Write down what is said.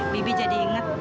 bibi jadi inget